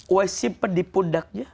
uwais simpan di pundaknya